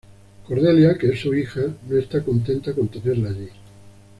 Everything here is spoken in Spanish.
Cordelia, que es su hija, no está contenta con tenerla allí.